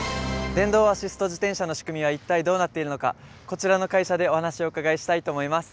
電動アシスト自転車の仕組みは一体どうなっているのかこちらの会社でお話をお伺いしたいと思います。